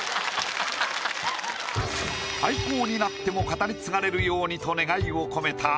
廃校になっても語り継がれるようにと願いを込めた